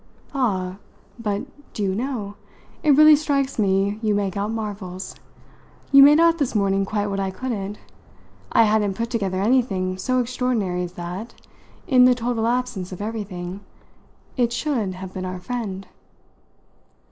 "Ah, but, do you know? it really strikes me you make out marvels. You made out this morning quite what I couldn't. I hadn't put together anything so extraordinary as that in the total absence of everything it should have been our friend."